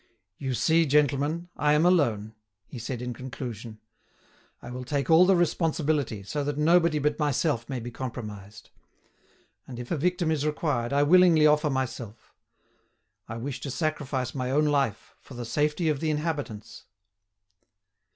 "You see, gentlemen, I am alone," he said in conclusion. "I will take all the responsibility, so that nobody but myself may be compromised. And if a victim is required I willingly offer myself; I wish to sacrifice my own life for the safety of the inhabitants."